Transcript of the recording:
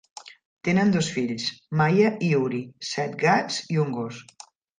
Tenen dos fills, Maya i Uri, set gats i un gos.